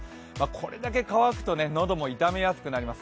これだけ乾くと喉も痛みやすくなります。